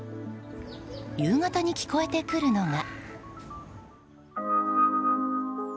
夕方に聞こえてくるのが。